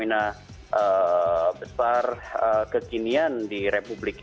nah terserah doesn't you blind